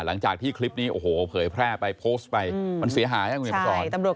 หลังจากที่คลิปนี้โอ้โหเผยแพร่ไปโพสต์ไปมันเสียหาอย่างงี้มาก่อน